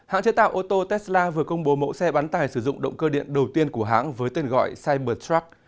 hãng chế tạo ô tô tesla vừa công bố mẫu xe bán tài sử dụng động cơ điện đầu tiên của hãng với tên gọi cybertruck